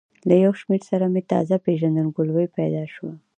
له یو شمېر سره مې تازه پېژندګلوي پیدا شوه.